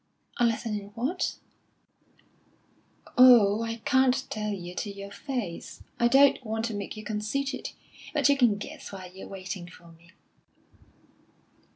"A lesson in what?" "Oh, I can't tell you to your face, I don't want to make you conceited; but you can guess while you're waiting for me."